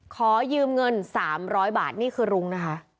ขอยืมเงิน๓๐๐บาทนี่คือรุ้งนะคะ